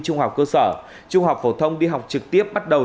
trung học cơ sở trung học phổ thông đi học trực tiếp bắt đầu